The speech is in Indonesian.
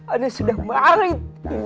anda sudah marit